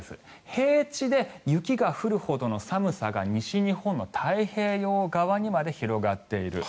平地で雪が降るほどの寒さが西日本の太平洋側にまで広がっている。